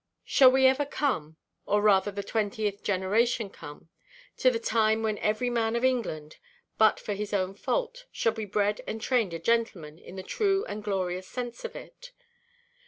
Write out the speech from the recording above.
Shall we ever come—or rather the twentieth generation come—to the time when every man of England (but for his own fault) shall be bred and trained a gentleman in the true and glorious sense of it?